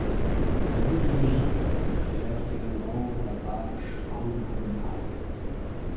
Les gouttes de givre créèrent également la vache Audhumla.